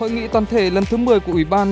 hội nghị toàn thể lần thứ một mươi của ủy ban